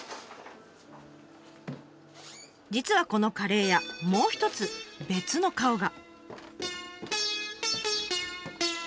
実はこのカレー屋もう一つ別の顔が。